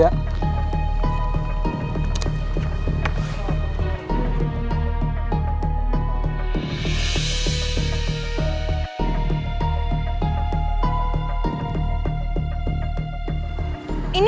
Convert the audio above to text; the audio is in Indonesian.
tapi gak pake helmnya